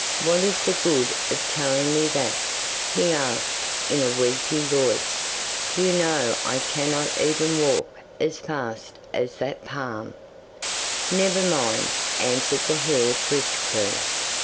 '"What is the good of telling me that?" he asked, in a weepy voice; "you know I cannot even walk as far as that palm." '"Never mind," answered the hare briskly.